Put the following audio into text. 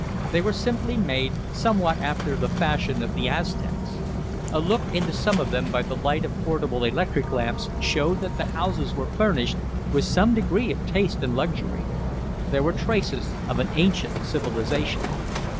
They were simply made, somewhat after the fashion of the Aztecs. A look into some of them by the light of portable electric lamps showed that the houses were furnished with some degree of taste and luxury. There were traces of an ancient civilization.